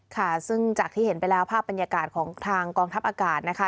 ค่ะซึ่งจากที่เห็นไปแล้วภาพบรรยากาศของทางกองทัพอากาศนะคะ